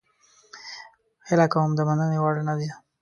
هیله کوم د مننې وړ نه ده.